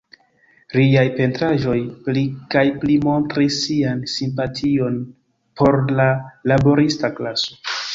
Liaj pentraĵoj pli kaj pli montris sian simpation por la laborista klaso.